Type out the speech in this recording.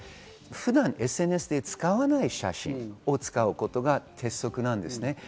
普段ＳＮＳで使わない写真を使うことが鉄則なんです。